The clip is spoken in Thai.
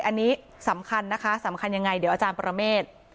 อันนี้สำคัญนะคะสำคัญยังไงเดี๋ยวอาจารย์ประเมฆ